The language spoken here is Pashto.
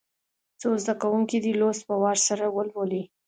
څو زده کوونکي دي لوست په وار سره ولولي.